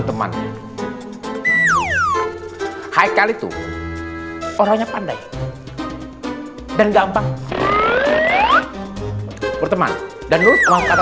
hai hai hai kali tuh orangnya pandai dan gampang bersteman dan mengembangkannya